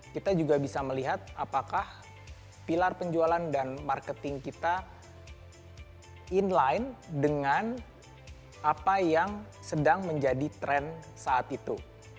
kita juga bisa melihat apakah pilar penjualan dan marketing kita in line dengan apa yang sedang menjadi tren saat itu